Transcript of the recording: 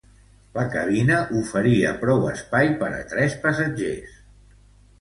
La cabina oferia prou espai per a tres passatgers.